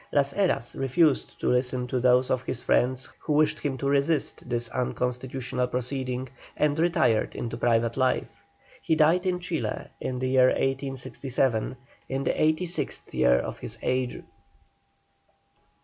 Las Heras refused to listen to those of his friends who wished him to resist this unconstitutional proceeding, and retired into private life. He died in Chile in the year 1866, in the eighty sixth year of his age.